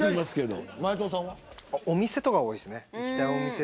お店とか多いですね。